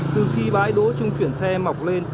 từ khi bãi đỗ trung chuyển xe mọc lên